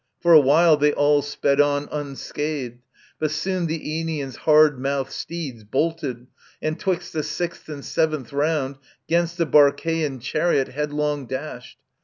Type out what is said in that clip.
For a while they all sped on Unscathed, but soon the Aenian's hard mouthed steeds Bolted, and 'twixt the sixth and seventh round 'Gainst the Barcaean chariot headlong dashed.